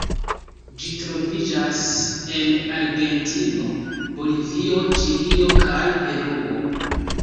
Ĝi troviĝas en Argentino, Bolivio, Ĉilio kaj Peruo.